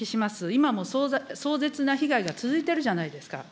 今も壮絶な被害が続いているじゃないですか。